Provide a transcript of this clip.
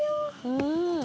うん。